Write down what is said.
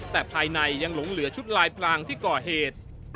แต่ภายในยังหลงเหลือชุดลายพลางที่ก่อเหตุ